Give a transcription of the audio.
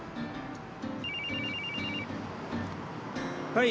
はい。